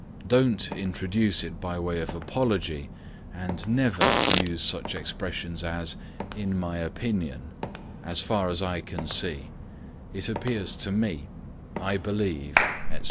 Don't introduce it by way of apology and never use such expressions as "In my opinion," "As far as I can see," "It appears to me," "I believe," etc.